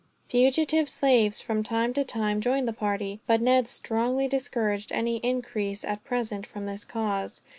Fugitive slaves from time to time joined the party; but Ned strongly discouraged any increase, at present, from this cause.